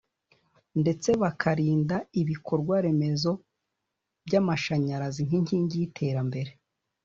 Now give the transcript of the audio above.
ndetse bakarinda ibikorwa remezo by’amashanyarazi nk’inkingi y’iterambere